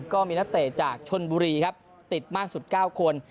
ก็มีนักเตะจากชนบุรีครับติดมากสุด๙คน